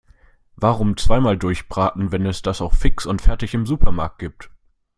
Warum zweimal durchbraten, wenn es das auch fix und fertig im Supermarkt gibt?